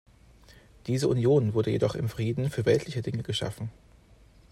Diese Union wurde jedoch im Frieden für weltliche Dinge geschaffen.